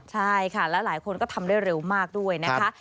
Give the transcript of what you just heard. ใช่ค่ะแล้วหลายคนก็ทำได้เร็วมากด้วยนะคะ